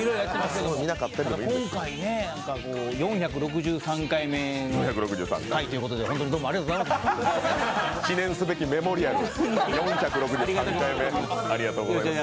今回ね、４６３回目の回ということで本当にありがとうございます。